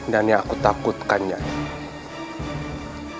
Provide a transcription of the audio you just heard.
dan yang aku takutkan nyai